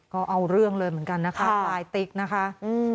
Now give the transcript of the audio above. ก็เอาเรื่องเลยเหมือนกันนะคะปลายติ๊กนะคะอืม